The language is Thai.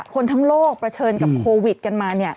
คนทั้งโลกประเทินกับโควิดกันมาเนี่ย